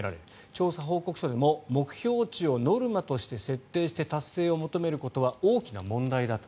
調査報告書でも目標値をノルマとして設定して達成を求めることは大きな問題だと。